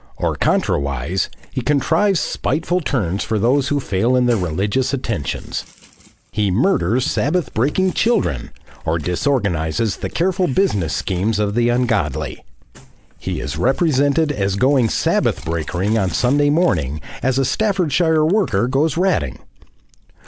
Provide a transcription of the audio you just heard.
Or contrawise he contrives spiteful turns for those who fail in their religious attentions. He murders Sabbath breaking children, or disorganises the careful business schemes of the ungodly. He is represented as going Sabbath breakering on Sunday morning as a Staffordshire worker goes ratting.